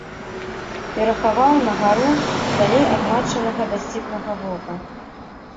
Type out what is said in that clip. Перахаваў на гару, далей ад матчынага дасціпнага вока.